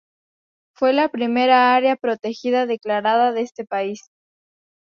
Fue la primera área protegida declarada de este país.